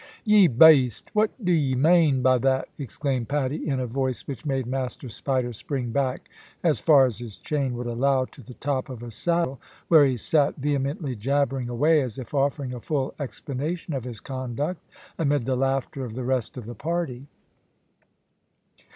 "Ye baste, what do ye mane by that?" exclaimed Paddy, in a voice which made Master Spider spring back as far as his chain would allow to the top of a saddle, where he sat vehemently jabbering away, as if offering a full explanation of his conduct, amid the laughter of the rest of the party.